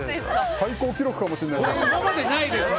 最高記録かもしれないですね。